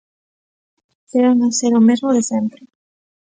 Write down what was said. Seguen a ser o mesmo de sempre.